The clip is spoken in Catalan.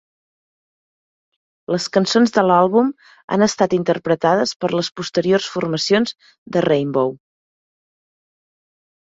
Les cançons de l'àlbum han estat interpretades per les posteriors formacions de Rainbow.